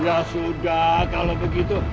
ya sudah kalau begitu